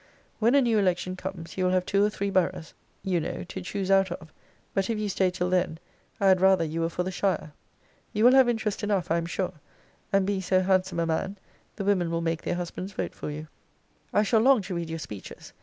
When a new election comes, you will have two or three boroughs, you know, to choose out of: but if you stay till then, I had rather you were for the shire. You will have interest enough, I am sure; and being so handsome a man, the women will make their husbands vote for you. I shall long to read your speeches.